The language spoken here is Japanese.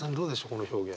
この表現。